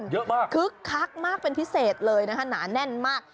เยอะมากคึกคักมากเป็นพิเศษเลยนะคะหนาแน่นมาก